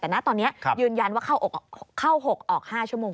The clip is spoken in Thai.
แต่นะตอนนี้ยืนยันว่าเข้า๖ออก๕ชั่วโมง